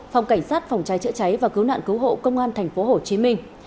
phòng cảnh sát phòng trái chữa cháy và cứu nạn cứu hộ công an tp hồ chí minh